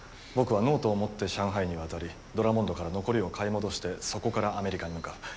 僕はノートを持って上海に渡りドラモンドから残りを買い戻してそこからアメリカに向かう。